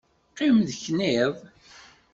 Qqim tekniḍ!